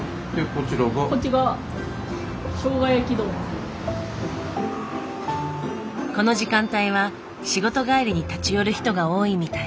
こっちがこの時間帯は仕事帰りに立ち寄る人が多いみたい。